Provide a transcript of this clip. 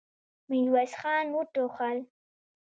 ميرويس خان وټوخل.